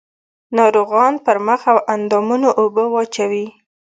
ناروغان پر مخ او اندامونو اوبه واچوي.